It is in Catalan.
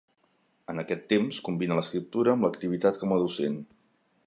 En aquest temps combina l'escriptura amb l'activitat com a docent.